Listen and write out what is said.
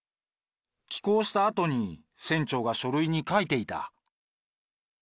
帰港したあとに、船長が書類に書いていた。